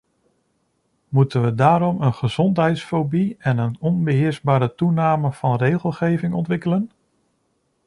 Moeten we daarom een gezondheidsfobie en een onbeheersbare toename van regelgeving ontwikkelen?